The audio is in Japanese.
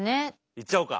いっちゃおうか。